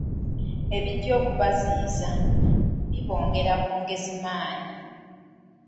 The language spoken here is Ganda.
Ebijja okubaziyiza, bibongera bwongezi maanyi.